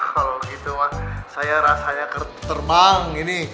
kalau gitu mah saya rasanya keterbang gini